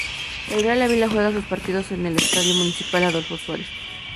El Real Ávila juega sus partidos en el Estadio Municipal Adolfo Suárez.